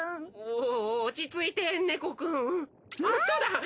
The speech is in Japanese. おおお落ち着いてねこくん。